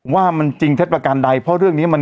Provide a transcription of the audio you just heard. ว่ามันจริงเท็จประการใดเพราะเรื่องนี้มัน